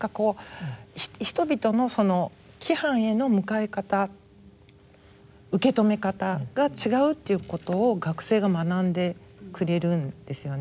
人々の規範への向かい方受け止め方が違うっていうことを学生が学んでくれるんですよね。